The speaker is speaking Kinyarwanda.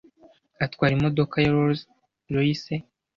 atwara imodoka ya rolls royse